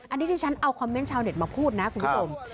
อันนี้ที่ฉันเอาคอมเมนต์ชาวเน็ตมาพูดนะคุณผู้ชม